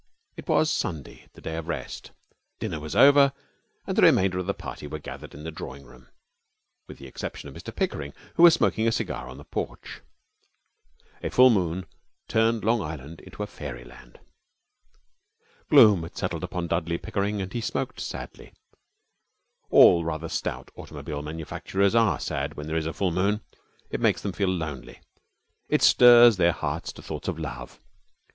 It was Sunday, the day of rest. Dinner was over, and the remainder of the party were gathered in the drawing room, with the exception of Mr Pickering, who was smoking a cigar on the porch. A full moon turned Long Island into a fairyland. Gloom had settled upon Dudley Pickering and he smoked sadly. All rather stout automobile manufacturers are sad when there is a full moon. It makes them feel lonely. It stirs their hearts to thoughts of love.